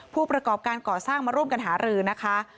ผู้ประกอบการก่อสร้างมาร่วมกันหารือนะคะ